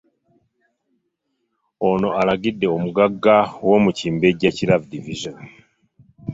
Eno eragidde omugagga w'omu Kimbejja Kira Division